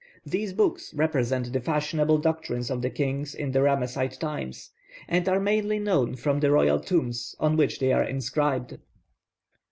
These books represent the fashionable doctrines of the kings in the Ramesside times, and are mainly known from the royal tombs on which they are inscribed.